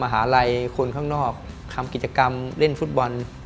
หาลัยคนข้างนอกทำกิจกรรมเล่นฟุตบอล